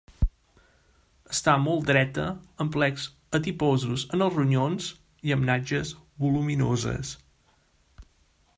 Està molt dreta, amb plecs adiposos en els ronyons i amb natges voluminoses.